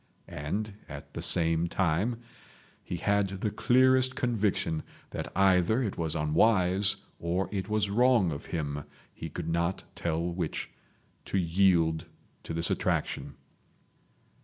And at the same time he had the clearest conviction that either it was unwise or it was wrong of him—he could not tell which—to yield to this attraction.